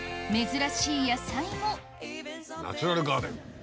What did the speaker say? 珍しい野菜もナチュラルガーデン。